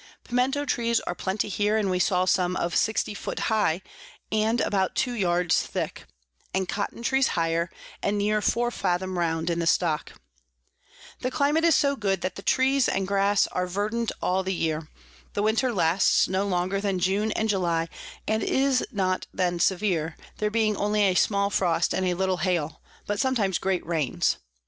Piemento Trees are plenty here, and we saw some of 60 foot high, and about two yards thick; and Cotton Trees higher, and near four fathom round in the Stock. [Sidenote: In the Road of Juan Fernandez.] The Climate is so good, that the Trees and Grass are verdant all the Year. The Winter lasts no longer than June and July, and is not then severe, there being only a small Frost and a little Hail, but sometimes great Rains.